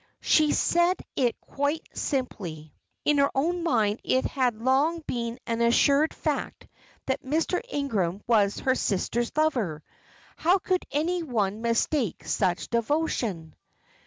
She said it quite simply. In her own mind it had long been an assured fact that Mr. Ingram was her sister's lover. How could any one mistake such devotion?